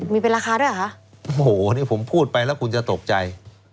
มีเป็นราคาด้วยเหรอคะโอ้โหนี่ผมพูดไปแล้วคุณจะตกใจ